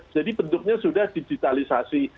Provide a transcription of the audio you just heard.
jadi bentuknya sudah digitalisasi